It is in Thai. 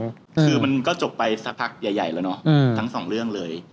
คือมันก็จบไปสักพักใหญ่แล้วเนอะทั้งสองเรื่องเลย